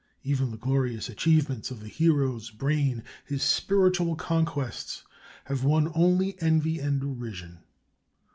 Even the glorious achievements of the Hero's brain, his spiritual conquests, have won only envy and derision.